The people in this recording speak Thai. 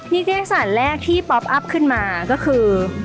นิตยศาสตร์แรกที่ป๊อปอัพขึ้นมาก็คือ